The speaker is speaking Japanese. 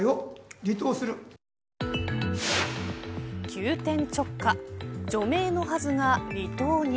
急転直下、除名のはずが離党に。